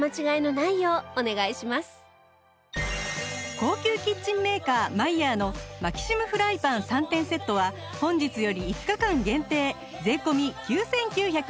高級キッチンメーカーマイヤーのマキシムフライパン３点セットは本日より５日間限定税込９９８０円